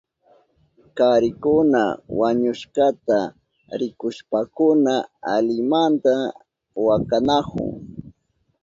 Karikuna wañushkata rikushpankuna alimanta wakanahun.